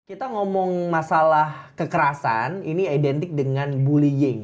kita ngomong masalah kekerasan ini identik dengan bullying